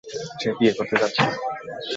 সে বিয়ে করতে যাচ্ছে।